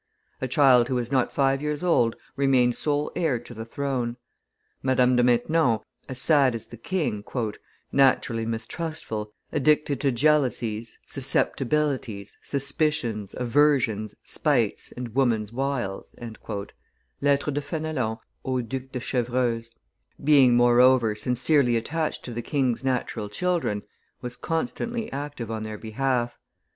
A child who was not five years old remained sole heir to the throne. Madame de Maintenon, as sad as the king, "naturally mistrustful, addicted to jealousies, susceptibilities, suspicions, aversions, spites, and woman's wiles " [Lettres de Fenelon au duc de Chevreuse], being, moreover, sincerely attached to the king's natural children, was constantly active on their behalf.